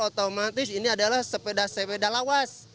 otomatis ini adalah sepeda sepeda lawas